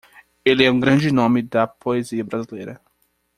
Ele é um grande noma da poesia brasileira.